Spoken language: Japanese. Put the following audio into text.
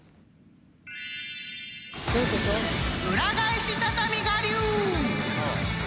［裏返し畳み我流！］